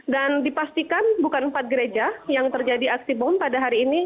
dan dipastikan bukan empat gereja yang terjadi aksi bom pada hari ini